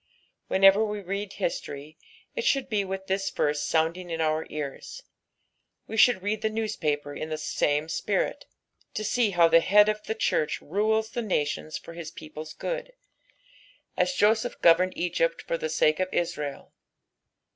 Whenever we read history it should be with this verse sonnding in oar ears. We should read the newspaper in the lume spirit, to see how the Head of the Church rules the nations for his people's good, as Joseph governed i^pt for the sake of Israel.